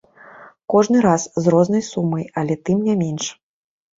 Кожны раз з рознай сумай, але, тым не менш.